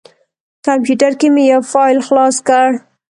کمپیوټر کې مې یو فایل خلاص کړ.